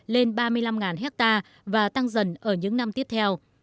lên ba mươi năm hectare và tăng dần ở những năm tiếp theo